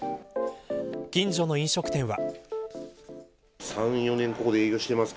近所の飲食店は。